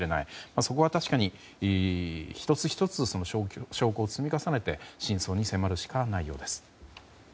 そこは確かに１つ１つ、証拠を積み重ねて真相に迫るしかないようです。